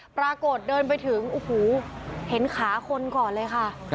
ปรากฏเดินไปถึงโอ้โหเห็นขาคนก่อนเลยค่ะ